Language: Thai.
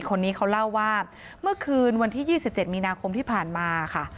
คนนี้เขาเล่าว่าเมื่อคืนวันที่๒๗มีนาคมที่ผ่านมาค่ะ